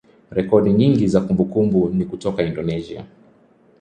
rekodi nyingi za kumbukumbu ni kutoka Indonesia.